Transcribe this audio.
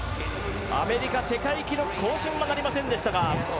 アメリカ、世界記録更新はなりませんでしたが。